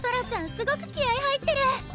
すごく気合い入ってる！